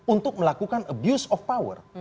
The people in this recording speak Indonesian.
untuk melakukan abuse of power